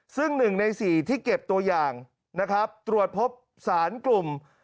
ซึ่ง๑ใน๔ที่เก็บตัวอย่างนะครับตรวจพบสารกลุ่ม